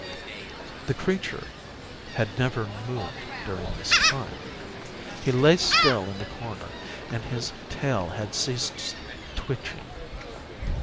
The creature had never moved during this time. He lay still in the corner, and his tail had ceased switching.